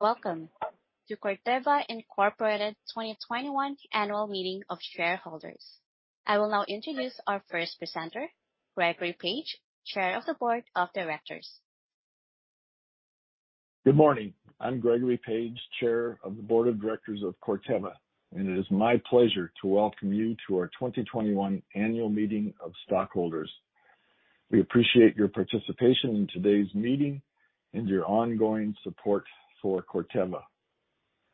Welcome to Corteva, Inc. 2021 Annual Meeting of Shareholders. I will now introduce our first presenter, Gregory Page, Chair of the Board of Directors. Good morning. I'm Gregory Page, Chair of the Board of Directors of Corteva, and it is my pleasure to welcome you to our 2021 Annual Meeting of Shareholders. We appreciate your participation in today's meeting and your ongoing support for Corteva.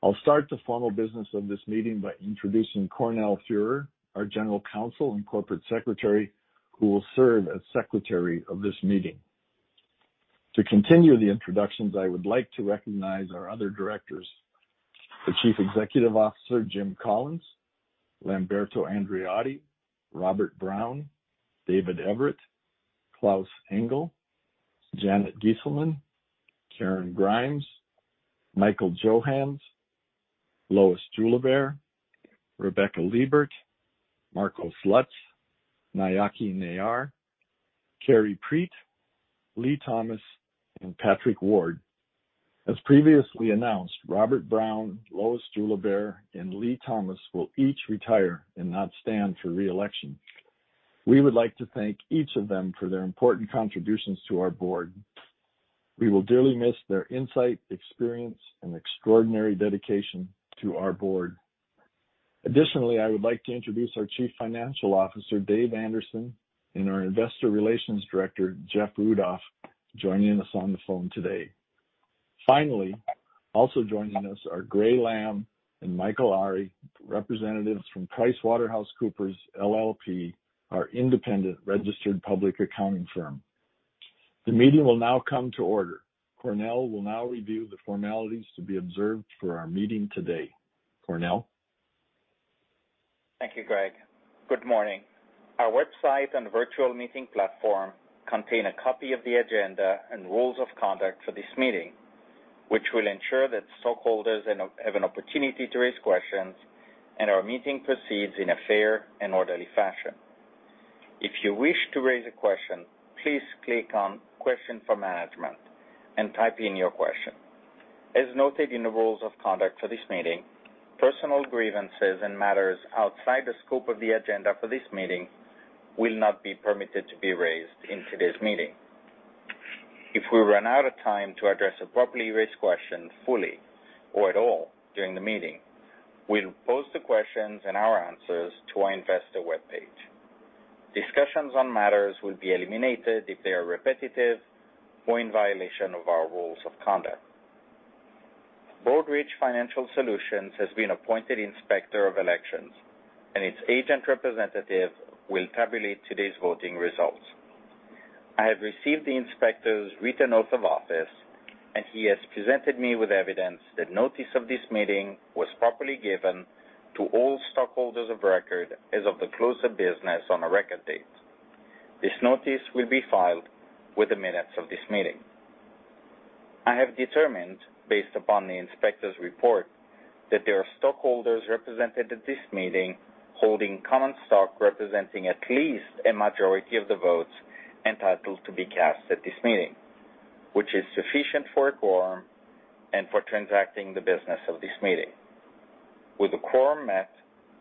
I'll start the formal business of this meeting by introducing Cornel Fuerer, our General Counsel and Corporate Secretary, who will serve as Secretary of this meeting. To continue the introductions, I would like to recognize our other directors. The Chief Executive Officer, James Collins, Lamberto Andreotti, Robert Brown, David Everitt, Klaus Engel, Janet Giesselman, Karen Grimes, Michael Johanns, Lois Juliber, Rebecca Liebert, Marco Lutz, Nayaki Nayyar, Kerry Preete, Lee Thomas, and Patrick Ward. As previously announced, Robert Brown, Lois Juliber, and Lee Thomas will each retire and not stand for re-election. We would like to thank each of them for their important contributions to our board. We will dearly miss their insight, experience, and extraordinary dedication to our board. Additionally, I would like to introduce our Chief Financial Officer, Dave Anderson, and our Investor Relations Director, Jeff Rudolph, joining us on the phone today. Finally, also joining us are Gray Lamb and Michael Ari, representatives from PricewaterhouseCoopers LLP, our independent registered public accounting firm. The meeting will now come to order. Cornel will now review the formalities to be observed for our meeting today. Cornel? Thank you, Greg. Good morning. Our website and virtual meeting platform contain a copy of the agenda and rules of conduct for this meeting, which will ensure that stockholders have an opportunity to raise questions and our meeting proceeds in a fair and orderly fashion. If you wish to raise a question, please click on "Question for management" and type in your question. As noted in the rules of conduct for this meeting, personal grievances and matters outside the scope of the agenda for this meeting will not be permitted to be raised in today's meeting. If we run out of time to address a properly raised question fully or at all during the meeting, we'll post the questions and our answers to our investor webpage. Discussions on matters will be eliminated if they are repetitive or in violation of our rules of conduct. Broadridge Financial Solutions has been appointed Inspector of Elections, and its agent representative will tabulate today's voting results. I have received the inspector's written oath of office, and he has presented me with evidence that notice of this meeting was properly given to all stockholders of record as of the close of business on the record date. This notice will be filed with the minutes of this meeting. I have determined, based upon the inspector's report, that there are stockholders represented at this meeting holding common stock representing at least a majority of the votes entitled to be cast at this meeting, which is sufficient for a quorum and for transacting the business of this meeting. With the quorum met,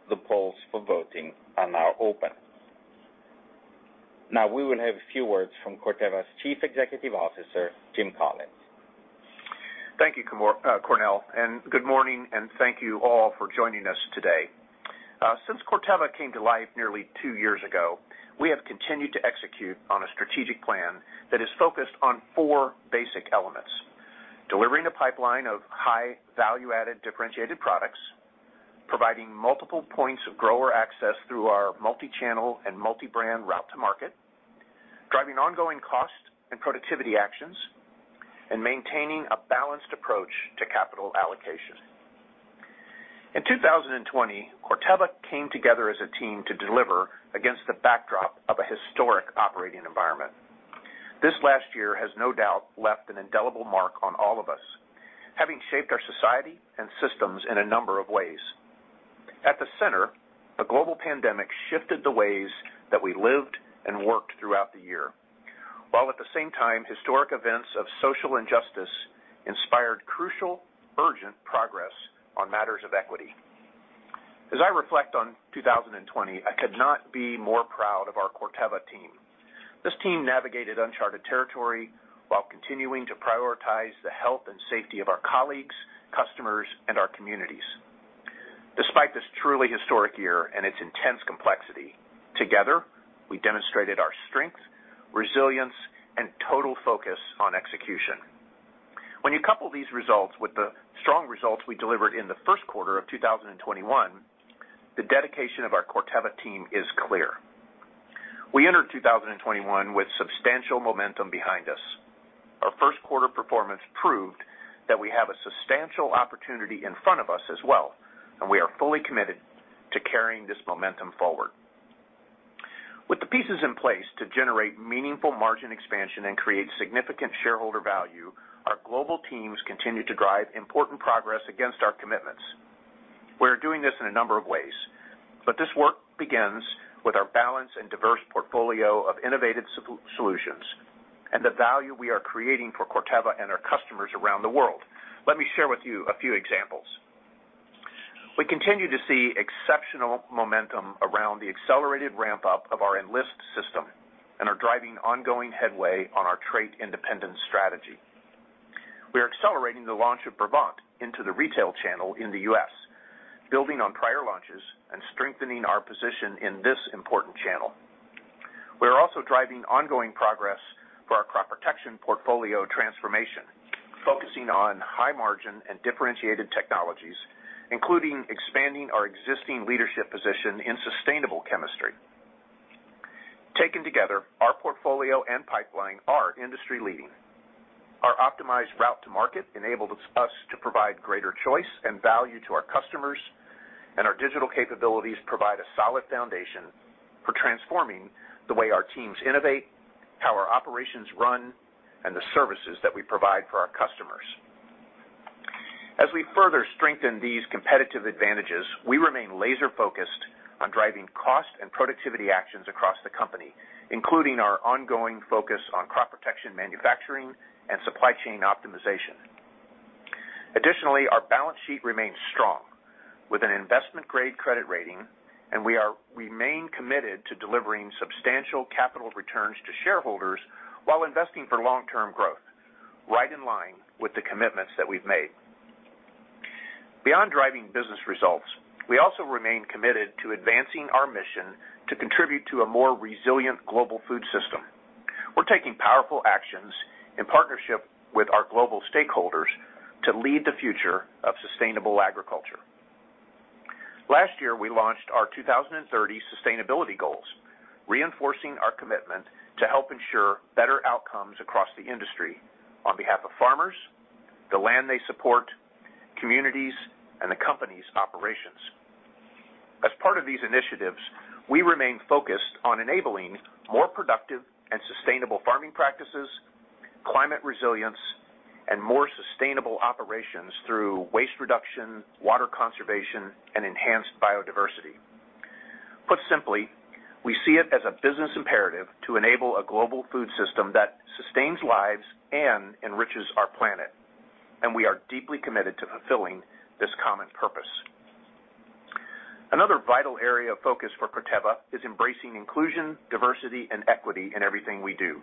the polls for voting are now open. Now, we will have a few words from Corteva's Chief Executive Officer, James Collins. Thank you, Cornel Fuerer, and good morning, and thank you all for joining us today. Since Corteva came to life nearly two years ago, we have continued to execute on a strategic plan that is focused on four basic elements: delivering a pipeline of high value-added, differentiated products, providing multiple points of grower access through our multi-channel and multi-brand route to market, driving ongoing cost and productivity actions, and maintaining a balanced approach to capital allocation. In 2020, Corteva came together as a team to deliver against the backdrop of a historic operating environment. This last year has no doubt left an indelible mark on all of us, having shaped our society and systems in a number of ways. At the center, the global pandemic shifted the ways that we lived and worked throughout the year, while at the same time, historic events of social injustice inspired crucial, urgent progress on matters of equity. As I reflect on 2020, I could not be more proud of our Corteva team. This team navigated uncharted territory while continuing to prioritize the health and safety of our colleagues, customers, and our communities. Despite this truly historic year and its intense complexity, together, we demonstrated our strength, resilience, and total focus on execution. When you couple these results with the strong results we delivered in the first quarter of 2021, the dedication of our Corteva team is clear. We entered 2021 with substantial momentum behind us. Our first-quarter performance proved that we have a substantial opportunity in front of us as well, and we are fully committed to carrying this momentum forward. With the pieces in place to generate meaningful margin expansion and create significant shareholder value, our global teams continue to drive important progress against our commitments. We're doing this in a number of ways, but this work begins with our balanced and diverse portfolio of innovative solutions and the value we are creating for Corteva and our customers around the world. Let me share with you a few examples. We continue to see exceptional momentum around the accelerated ramp-up of our Enlist system and are driving ongoing headway on our trait independence strategy. We are accelerating the launch of Brevant into the retail channel in the U.S., building on prior launches and strengthening our position in this important channel. We are also driving ongoing progress for our crop protection portfolio transformation, focusing on high margin and differentiated technologies, including expanding our existing leadership position in sustainable chemistry. Taken together, our portfolio and pipeline are industry leading. Our optimized route to market enables us to provide greater choice and value to our customers, and our digital capabilities provide a solid foundation for transforming the way our teams innovate, how our operations run, and the services that we provide for our customers. As we further strengthen these competitive advantages, we remain laser-focused on driving cost and productivity actions across the company, including our ongoing focus on crop protection manufacturing, and supply chain optimization. Additionally, our balance sheet remains strong with an investment-grade credit rating, and we remain committed to delivering substantial capital returns to shareholders while investing for long-term growth, right in line with the commitments that we've made. Beyond driving business results, we also remain committed to advancing our mission to contribute to a more resilient global food system. We're taking powerful actions in partnership with our global stakeholders to lead the future of sustainable agriculture. Last year, we launched our 2030 Sustainability Goals, reinforcing our commitment to help ensure better outcomes across the industry on behalf of farmers, the land they support, communities, and the company's operations. As part of these initiatives, we remain focused on enabling more productive and sustainable farming practices, climate resilience, and more sustainable operations through waste reduction, water conservation, and enhanced biodiversity. Put simply, we see it as a business imperative to enable a global food system that sustains lives and enriches our planet, and we are deeply committed to fulfilling this common purpose. Another vital area of focus for Corteva is embracing inclusion, diversity, and equity in everything we do.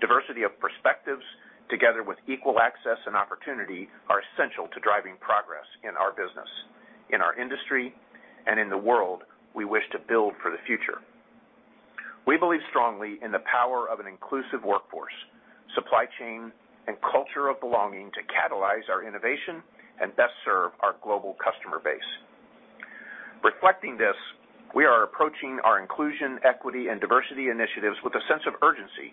Diversity of perspectives, together with equal access and opportunity, are essential to driving progress in our business, in our industry, and in the world we wish to build for the future. We believe strongly in the power of an inclusive workforce, supply chain, and culture of belonging to catalyze our innovation and best serve our global customer base. Reflecting this, we are approaching our inclusion, equity, and diversity initiatives with a sense of urgency,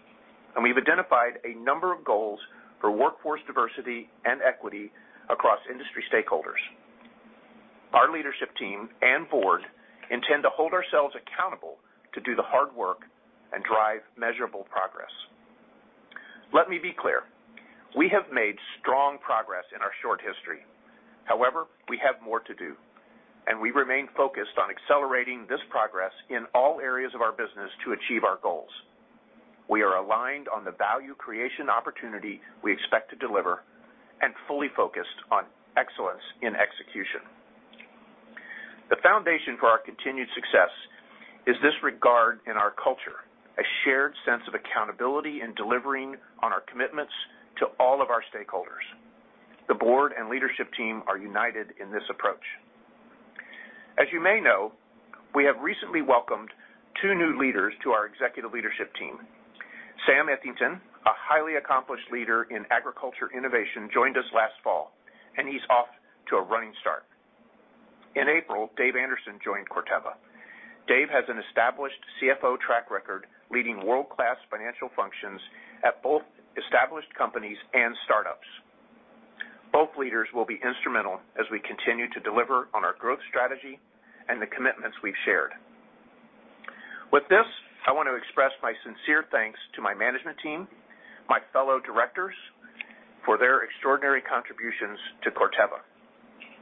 and we've identified a number of goals for workforce diversity and equity across industry stakeholders. Our leadership team and board intend to hold ourselves accountable to do the hard work and drive measurable progress. Let me be clear, we have made strong progress in our short history. However, we have more to do, and we remain focused on accelerating this progress in all areas of our business to achieve our goals. We are aligned on the value creation opportunity we expect to deliver, and fully focused on excellence in execution. The foundation for our continued success is this regard in our culture, a shared sense of accountability in delivering on our commitments to all of our stakeholders. The board and leadership team are united in this approach. As you may know, we have recently welcomed two new leaders to our executive leadership team. Sam Eathington, a highly accomplished leader in agriculture innovation, joined us last fall, and he's off to a running start. In April, Dave Anderson joined Corteva. Dave has an established CFO track record, leading world-class financial functions at both established companies and startups. Both leaders will be instrumental as we continue to deliver on our growth strategy and the commitments we've shared. With this, I want to express my sincere thanks to my management team, my fellow directors, for their extraordinary contributions to Corteva.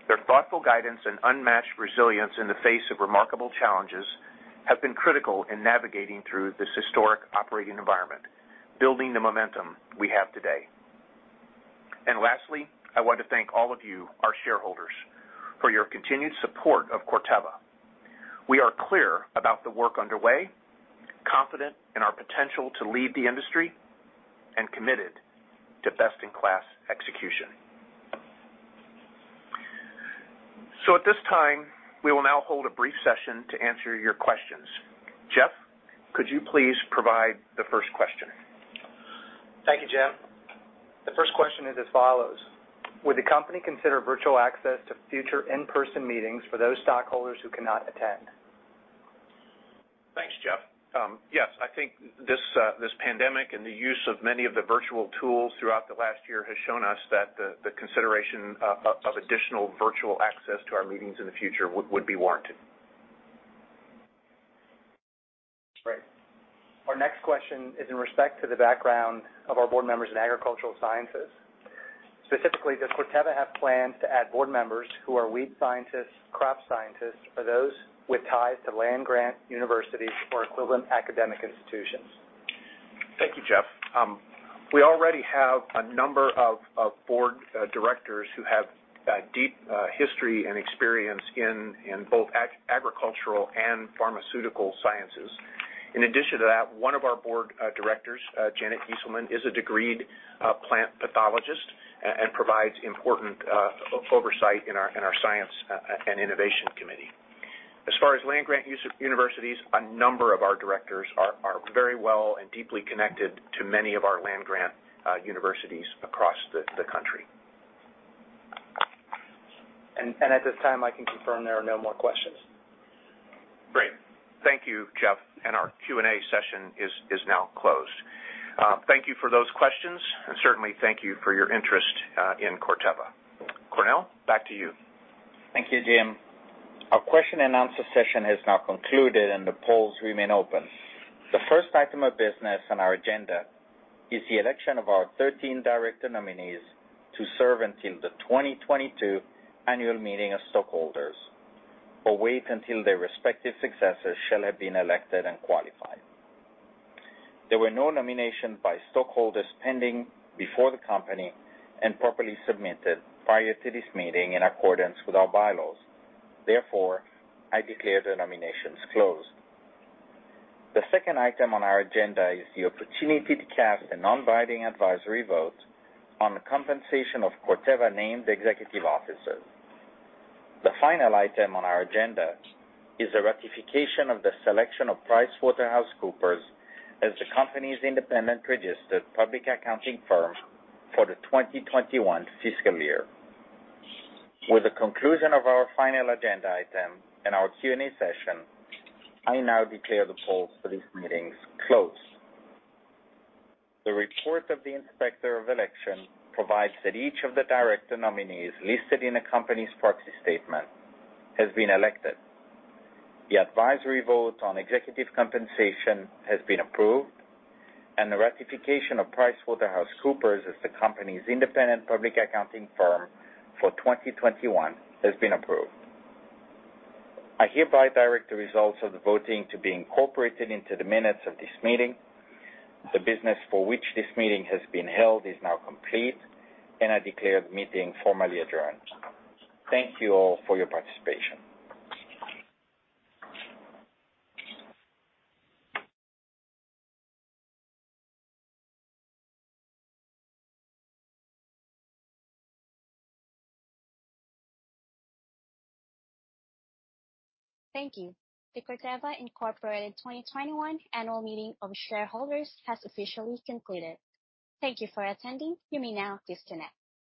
Their thoughtful guidance and unmatched resilience in the face of remarkable challenges have been critical in navigating through this historic operating environment, building the momentum we have today. Lastly, I want to thank all of you, our shareholders, for your continued support of Corteva. We are clear about the work underway, confident in our potential to lead the industry, and committed to best-in-class execution. At this time, we will now hold a brief session to answer your questions. Jeff, could you please provide the first question? Thank you, James. The first question is as follows: Would the company consider virtual access to future in-person meetings for those stockholders who cannot attend? Thanks, Jeff. Yes. I think this pandemic and the use of many of the virtual tools throughout the last year has shown us that the consideration of additional virtual access to our meetings in the future would be warranted. Question is in respect to the background of our board members in agricultural sciences. Specifically, does Corteva have plans to add board members who are wheat scientists, crop scientists, or those with ties to land-grant universities or equivalent academic institutions? Thank you, Jeff. We already have a number of board directors who have deep history and experience in both agricultural and pharmaceutical sciences. In addition to that, one of our board directors, Janet Giesselman, is a degreed plant pathologist and provides important oversight in our science and innovation committee. As far as land-grant universities, a number of our directors are very well and deeply connected to many of our land-grant universities across the country. At this time, I can confirm there are no more questions. Great. Thank you, Jeff, and our Q&A session is now closed. Thank you for those questions, and certainly thank you for your interest in Corteva. Cornel, back to you. Thank you, Jim. Our question and answer session has now concluded, and the polls remain open. The first item of business on our agenda is the election of our 13 director nominees to serve until the 2022 annual meeting of stockholders or wait until their respective successors shall have been elected and qualified. There were no nominations by stockholders pending before the company and properly submitted prior to this meeting in accordance with our bylaws. Therefore, I declare the nominations closed. The second item on our agenda is the opportunity to cast a non-binding advisory vote on the compensation of Corteva named executive officers. The final item on our agenda is the ratification of the selection of PricewaterhouseCoopers as the company's independent registered public accounting firm for the 2021 fiscal year. With the conclusion of our final agenda item and our Q&A session, I now declare the polls for these meetings closed. The report of the Inspector of Election provides that each of the director nominees listed in the company's proxy statement has been elected. The advisory vote on executive compensation has been approved, and the ratification of PricewaterhouseCoopers as the company's independent public accounting firm for 2021 has been approved. I hereby direct the results of the voting to be incorporated into the minutes of this meeting. The business for which this meeting has been held is now complete, and I declare the meeting formally adjourned. Thank you all for your participation. Thank you. The Corteva, Inc. 2021 Annual Meeting of Shareholders has officially concluded. Thank you for attending. You may now disconnect.